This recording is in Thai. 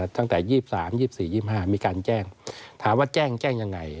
ตั้งแต่๒๓๒๔๒๕มีการแจ้งถามว่าแจ้งแจ้งยังไง